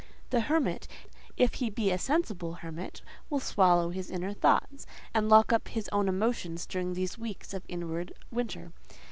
The hermit—if he be a sensible hermit—will swallow his own thoughts, and lock up his own emotions during these weeks of inward winter.